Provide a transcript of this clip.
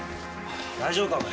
大丈夫かお前？